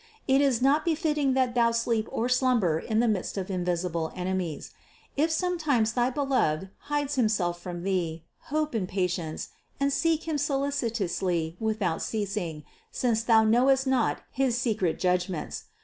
It is not befitting that thou sleep or slumber in the midst of invisible enemies. If sometimes thy Beloved hides Him self from thee, hope in patience and seek Him solicitously without ceasing, since thou knowest not his secret judg ments.